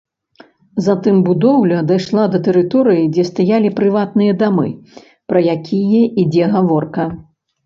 Затым будоўля дайшла да тэрыторыі, дзе стаялі прыватныя дамы, пра якія ідзе гаворка.